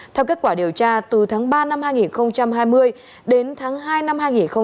theo kết quả điều tra từ tháng ba năm hai nghìn hai mươi đến tháng hai năm hai nghìn hai mươi